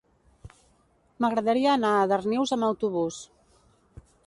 M'agradaria anar a Darnius amb autobús.